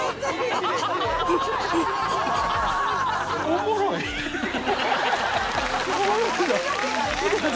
おもろいぞ。